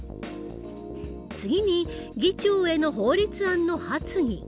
次に議長への法律案の発議。